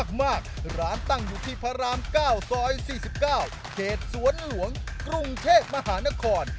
บอกอย่างนั้นหนูก็ยังมั่งเหรอ